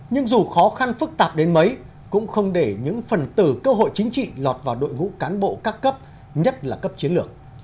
nhưng dù khó khăn phức tạp đến mấy cũng không để những phần từ cơ hội chính trị lọt vào đội ngũ cán bộ các cấp nhất là cấp chiến lược